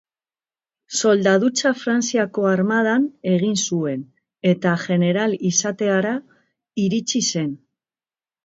Soldadutza Frantziako armadan egin zuen, eta jeneral izatera iritsi zen.